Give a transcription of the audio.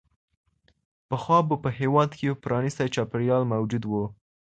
پخوا په هېواد کي یو پرانیستی چاپېریال موجود و.